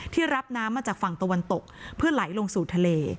รับน้ำมาจากฝั่งตะวันตกเพื่อไหลลงสู่ทะเล